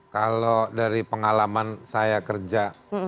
kalau dari pengalaman saya kerja